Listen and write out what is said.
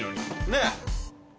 ねえ。